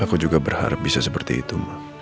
aku juga berharap bisa seperti itu